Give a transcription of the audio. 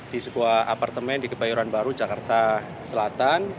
di sebuah apartemen di kebayoran baru jakarta selatan